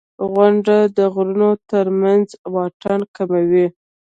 • غونډۍ د غرونو تر منځ واټن کموي.